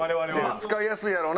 使いやすいんやろな。